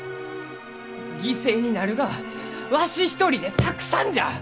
犠牲になるがはわし一人でたくさんじゃ！